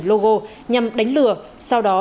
logo nhằm đánh lừa sau đó